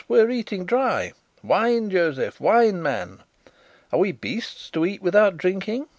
we're eating dry! Wine, Josef! wine, man! Are we beasts, to eat without drinking?